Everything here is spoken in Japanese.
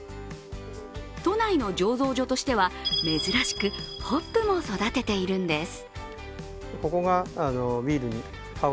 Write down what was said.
都内の醸造所としては珍しく、ホップも育てているんです